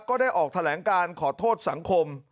ก็ได้ออกแถลงการขอโทษสังคม